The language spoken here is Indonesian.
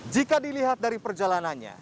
jika dilihat dari perjalanannya